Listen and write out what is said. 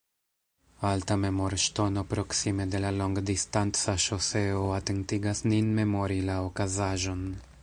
Alta memorŝtono proksime de la longdistanca ŝoseo atentigas nin memori la okazaĵon.